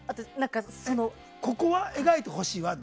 ここは描いてほしいとかある？